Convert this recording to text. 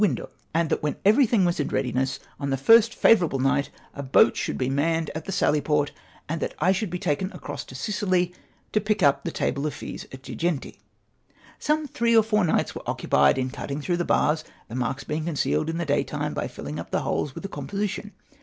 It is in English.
179 and tluit when everything was in readiness, on the first favourable niglit, a boat should be manned at the sally port, and that I should be taken across to Sicily, to pick up the table of fees at Girgenti. Some three or four nights were occupied in cutting through the bars, the marks being concealed in the day time by filling up the holes with a composition.